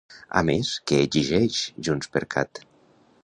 A més, què exigeix JxCat?